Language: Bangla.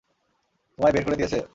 তোমায় বের করে দিয়েছে?